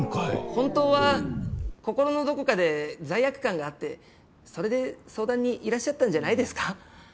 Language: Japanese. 本当は心のどこかで罪悪感があってそれで相談にいらっしゃったんじゃないですか？